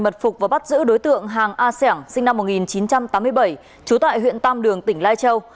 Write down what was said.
mật phục và bắt giữ đối tượng hàng a xẻng sinh năm một nghìn chín trăm tám mươi bảy trú tại huyện tam đường tỉnh lai châu